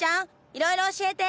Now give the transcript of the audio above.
いろいろ教えて！